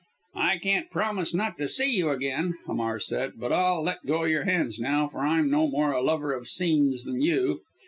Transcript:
"I can't promise not to see you again," Hamar said, "but I'll let go your hands now, for I'm no more a lover of scenes than you.